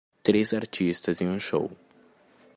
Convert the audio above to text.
Três artistas em um show.